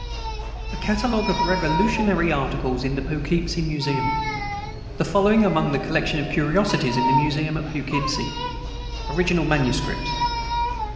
A CATALOGUE OF REVOLUTIONARY ARTICLES IN THE POUGHKEEPSIE MUSEUM. The following are among the Collection of Curiosities in the Museum at Poughkeepsie: ORIGINAL MANUSCRIPTS.